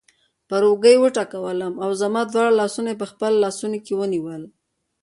پر اوږه یې وټکولم او زما دواړه لاسونه یې په خپلو لاسونو کې ونیول.